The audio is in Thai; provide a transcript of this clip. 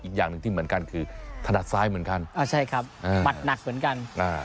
อีกอย่างหนึ่งที่เหมือนกันคือถนัดซ้ายเหมือนกันปัดหนักเหมือนกัน